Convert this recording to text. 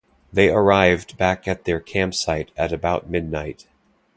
They arrived back at their campsite at about midnight.